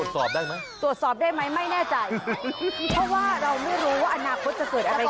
สวดสอบได้ไหมไม่แน่ใจ